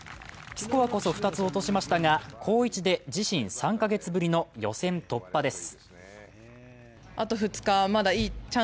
スコアこそ２つ落としましたが好位置で自身３カ月ぶりの予選突破です。